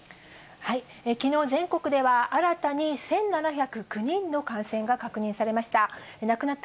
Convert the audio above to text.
きのう、全国では新たに１７０９人の感染が確認されました。